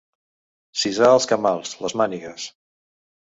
Cisar els camals, les mànigues.